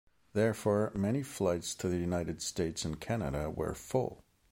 Therefore, many flights to the United States and Canada were full.